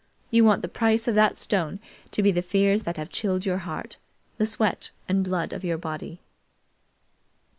You want the price of that stone to be the fears that have chilled your heart the sweat and blood of your body."